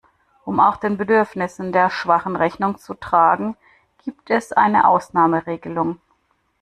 Um auch den Bedürfnissen der Schwachen Rechnung zu tragen, gibt es eine Ausnahmeregelung.